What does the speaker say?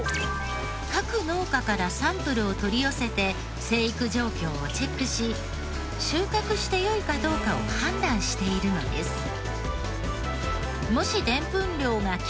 各農家からサンプルを取り寄せて生育状況をチェックし収穫してよいかどうかを判断しているのです。